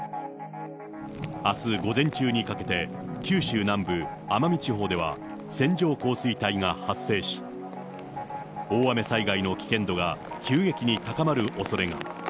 あす午前中にかけて、九州南部、奄美地方では、線状降水帯が発生し、大雨災害の危険度が急激に高まるおそれがある。